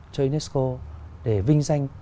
cho unesco để vinh danh